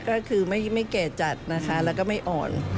ก็คือไม่แก่จัดนะคะแล้วก็ไม่อ่อน